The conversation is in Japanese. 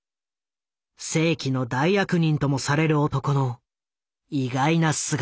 世紀の大悪人ともされる男の意外な姿。